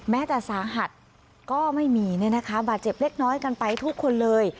แม้แต่สาหัสก็ไม่มีเนี่ยนะคะบาดเจ็บเล็กน้อยกันไปทุกคนเลย